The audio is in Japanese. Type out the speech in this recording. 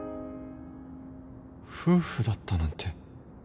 夫婦だったなんて